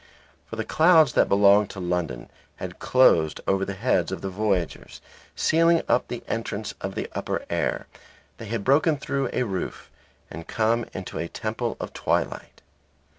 For the clouds that belonged to London had closed over the heads of the voyagers sealing up the entrance of the upper air. They had broken through a roof and come into a temple of twilight.